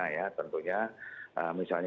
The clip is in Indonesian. ya tentunya misalnya